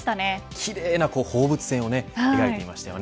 きれいな放物線を描いていましたよね。